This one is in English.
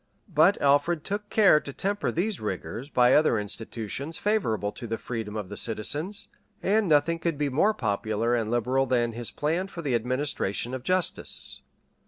But Alfred took care to temper these rigors by other institutions favorable to the freedom of the citizens; and nothing could be more popular and liberal than his plan for the administration of justice.